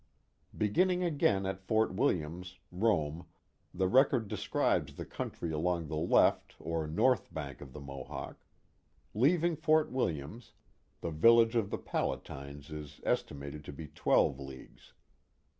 Beginning again at Fort Williams, Rome, the record describes the country along the left or north bank of the Mohawk: Leaving Fort Williams, the village of the Palatines is estimated to be twelve leagues.